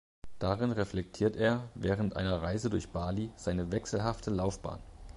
Darin reflektiert er, während einer Reise durch Bali, seine wechselhafte Laufbahn.